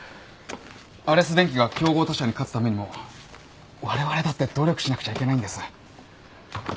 アレス電機が競合他社に勝つためにもわれわれだって努力しなくちゃいけないんです。